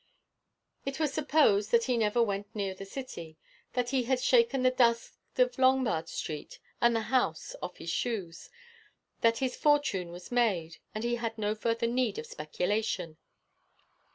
It was supposed that he never went near the city, that he had shaken the dust of Lombard Street and the House off his shoes, that his fortune was made, and he had no further need of speculation.